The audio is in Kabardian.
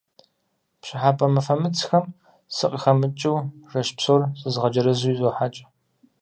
Пщӏыхьэпӏэ мыфэмыцхэм сакъыхэмыкӏыу жэщ псор зызгъэджэрэзу изохьэкӏ.